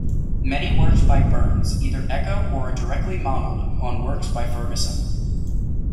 Many works by Burns either echo or are directly modelled on works by Fergusson.